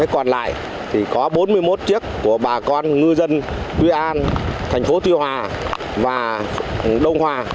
còn lại có bốn mươi một chiếc của bà con ngư dân tuy an thành phố tuy hòa và đông hòa